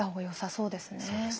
そうですね。